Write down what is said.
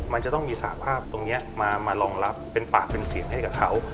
มันจะต้องมีสหภาพตรงนี้มารองรับเป็นปากเป็นเสียงให้กับเขา